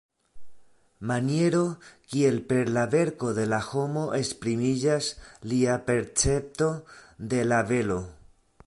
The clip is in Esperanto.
Maniero kiel per la verko de la homo esprimiĝas lia percepto de la belo.